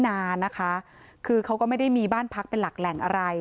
นานนะคะคือเขาก็ไม่ได้มีบ้านพักเป็นหลักแหล่งอะไร